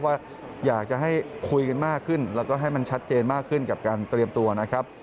ว่าอยากจะให้คุยกันมากขึ้นแล้วก็ให้มันชัดเจนมากขึ้นกับการเตรียมตัวนะครับ